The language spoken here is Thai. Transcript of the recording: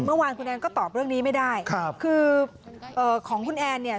เมื่อวานคุณแอนก็ตอบเรื่องนี้ไม่ได้ครับคือเอ่อของคุณแอนเนี่ย